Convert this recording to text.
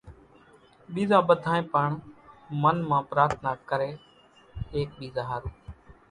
ٻيزان ٻڌانئين پڻ منَ مان پرارٿنا ڪري ايڪ ٻيزا ۿارُو